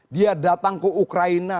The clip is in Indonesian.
dia datang ke ukraina